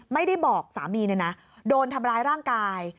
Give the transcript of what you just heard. ไม่ได้บอกสามีเนี่ยนะโดนทำร้ายร่างกาย